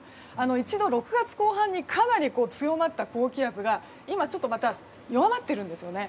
一度６月後半にかなり強まった高気圧が今、弱まっているんですね。